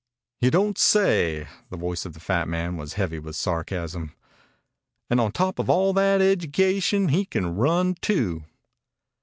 "You don't say." The voice of the fat man was heavy with sarcasm. "And on top of all that edjucation he can run too."